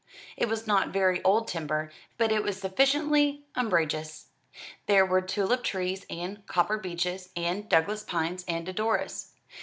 It was not very old timber, but it was sufficiently umbrageous. There were tulip trees, and copper beeches, and Douglas pines, and deodoras.